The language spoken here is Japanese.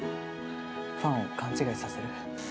ファンを勘違いさせる？